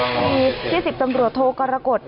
นี่ค่ะแล้วเจ้าหน้าขาดที่สิบตำรวจโทรกรกฎ